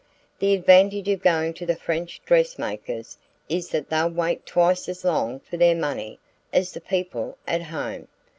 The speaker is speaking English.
The advantage of going to the French dress makers is that they'll wait twice as long for their money as the people at home.